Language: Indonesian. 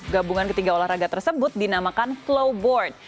gabungan ketiga olahraga tersebut dinamakan flowboard